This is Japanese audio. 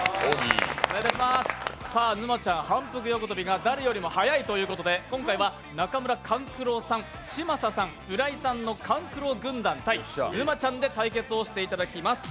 沼ちゃん、反復横跳びが誰よりも速いということで、今回は中村勘九郎さん、嶋佐さん、浦井さんの勘九郎軍団対沼ちゃんで対決していただきます。